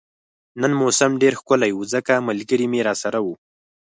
نن موسم ډیر ښکلی وو ځکه ملګري مې راسره وو